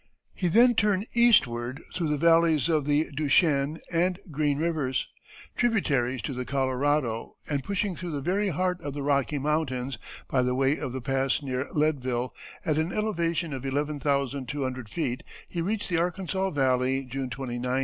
He then turned eastward through the valleys of the Du Chesne and Green Rivers, tributaries to the Colorado, and pushing through the very heart of the Rocky Mountains, by the way of the pass near Leadville, at an elevation of eleven thousand two hundred feet, he reached the Arkansas Valley June 29, 1844.